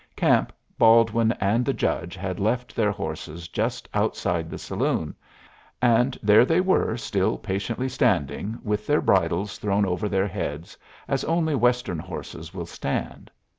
Camp, Baldwin, and the judge had left their horses just outside the saloon, and there they were still patiently standing, with their bridles thrown over their heads, as only Western horses will stand.